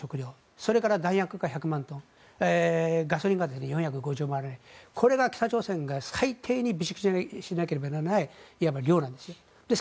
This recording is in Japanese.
それから弾薬が１００万トンガソリンが４５０万これが北朝鮮の最低は備蓄しなければならない量なんです。